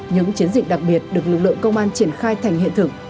những chiến dịch đặc biệt được lực lượng công an triển khai thành hiện thực